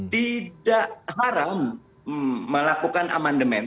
tidak haram melakukan amandemen